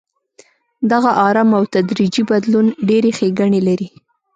دغه ارام او تدریجي بدلون ډېرې ښېګڼې لري.